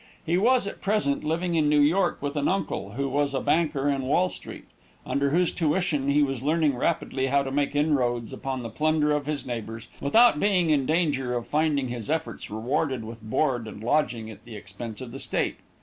He was, at present, living in New York with an uncle, who was a banker in Wall street, under whose tuition he was learning rapidly how to make inroads upon the plunder of his neighbors, without being in danger of finding his efforts rewarded with board and lodging at the expense of State.